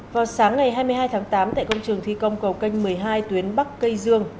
vào sáng ngày hai mươi hai tháng tám tại công trường thi công cầu canh một mươi hai tuyến bắc cây dương